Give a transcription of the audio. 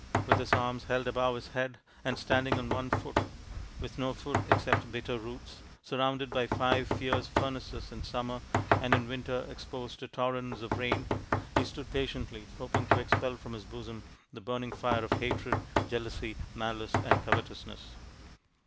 With his arms held above his head, and standing on one foot, with no food except bitter roots, surrounded by five fierce furnaces in summer, and in winter exposed to torrents of rain, he stood patiently hoping to expel from his bosom the burning fire of hatred, jealousy, malice, and covetousness.